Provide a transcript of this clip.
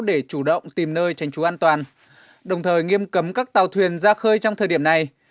để chủ động tìm nơi tránh trú an toàn đồng thời nghiêm cấm các tàu thuyền ra khơi trong thời điểm này